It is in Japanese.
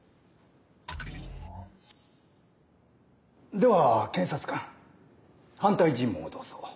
では検察官反対尋問をどうぞ。